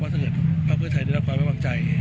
ว่าถ้าเกิดพระพฤทธิ์ไทยได้รับความไม่บังใจ